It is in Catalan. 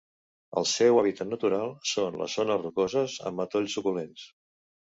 El seu hàbitat natural són les zones rocoses amb matolls suculents.